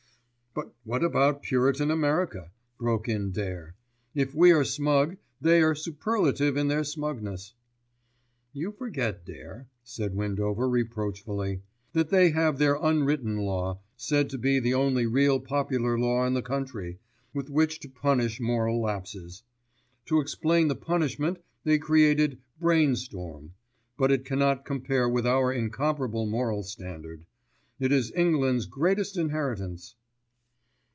"But what about puritan America?" broke in Dare. "If we are smug, they are superlative in their smugness." "You forget, Dare," said Windover reproachfully, "that they have their 'unwritten law,' said to be the only really popular law in the country, with which to punish moral lapses. To explain the punishment, they created 'brain storm'; but it cannot compare with our incomparable moral standard. It is England's greatest inheritance."